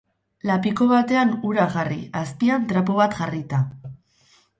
Lapiko batean ura jarri, azpian trapu bat jarrita.